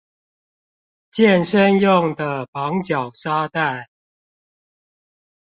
健身用的綁腳沙袋